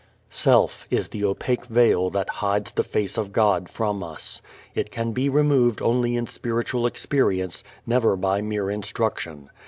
Self is the opaque veil that hides the Face of God from us. It can be removed only in spiritual experience, never by mere instruction.